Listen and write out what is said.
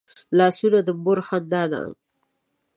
لاسونه د مور خندا ده